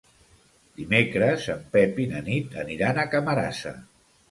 Dimecres en Pep i na Nit aniran a Camarasa.